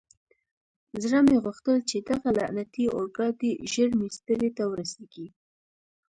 زړه مې غوښتل چې دغه لعنتي اورګاډی ژر مېسترې ته ورسېږي.